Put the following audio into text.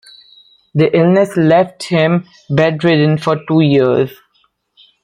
The illness left him bedridden for two years.